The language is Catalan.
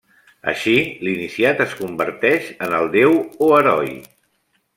Així, l'iniciat es converteix en el déu o heroi.